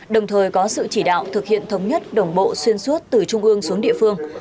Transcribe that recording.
đồng thời có sự chỉ đạo thực hiện thống nhất đồng bộ xuyên suốt từ trung ương xuống địa phương